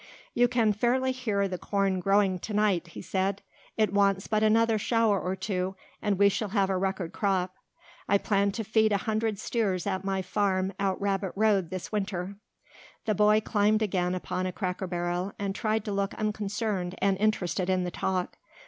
"You can fairly hear the corn growing to night," he said. "It wants but another shower or two and we shall have a record crop. I plan to feed a hundred steers at my farm out Rabbit Road this winter." The boy climbed again upon a cracker barrel and tried to look unconcerned and interested in the talk.